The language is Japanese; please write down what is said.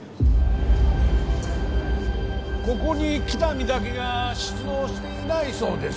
ここに喜多見だけが出動していないそうです